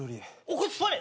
こっち座れ。